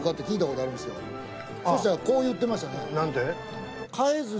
そしたらこう言ってましたね。